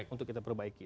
untuk kita perbaiki